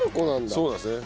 そうなんですね。